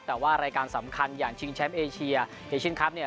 แต่ว่ารายการสำคัญอย่างชิงแชมป์เอเชียเอเชียนคลับเนี่ย